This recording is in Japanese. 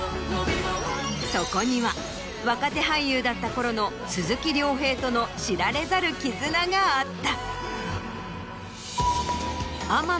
そこには若手俳優だった頃の鈴木亮平との知られざる絆があった。